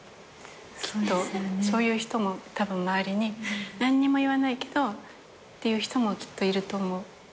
きっとそういう人もたぶん周りに何にも言わないけどっていう人もきっといると思う。